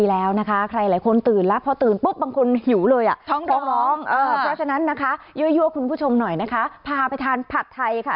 เพราะฉะนั้นเลยนะคะยังยังคุณผู้ชมหน่อยนะคะ